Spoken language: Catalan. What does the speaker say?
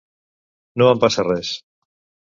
No em passa res.